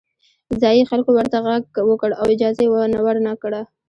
ځايي خلکو ورته غږ وکړ او اجازه یې ورنه کړه.